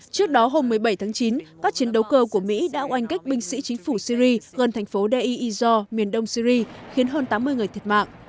trước đó hôm một mươi bảy tháng chín các chiến đấu cơ của mỹ đã oanh kích binh sĩ chính phủ syri gần thành phố deir ez zor miền đông syri khiến hơn tám mươi người tiệt mạng